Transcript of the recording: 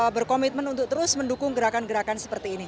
berkomitmen untuk terus mendukung gerakan gerakan seperti ini